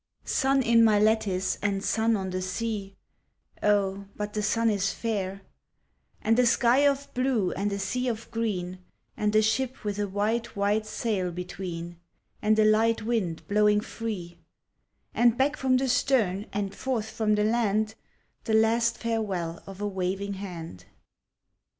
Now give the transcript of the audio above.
Sun in my lattice, and sun on the sea (Oh, but the sun is fair), And a sky of blue and a sea of green, And a ship with a white, white sail between, And a light wind blowing free And back from the stern, and forth from the land, The last farewell of a waving hand.